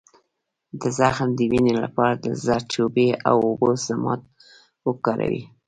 د زخم د وینې لپاره د زردچوبې او اوبو ضماد وکاروئ